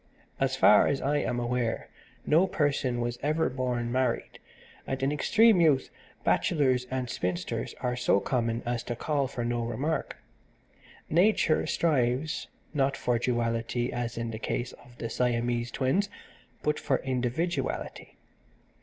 So far as I am aware no person was ever born married, and in extreme youth bachelors and spinsters are so common as to call for no remark. Nature strives, not for duality as in the case of the Siamese Twins but for individuality.